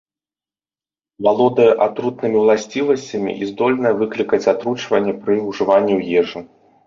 Валодае атрутнымі ўласцівасцямі і здольная выклікаць атручванне пры ўжыванні ў ежу.